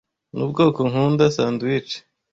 Nubwoko nkunda sandwich.